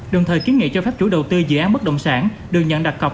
đồng thời kiến nghị cho phép chủ đầu tư dự án bất động sản được nhận đặt cọc